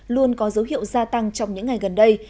luôn có dấu hiệu gia tăng trong những ngày gần đây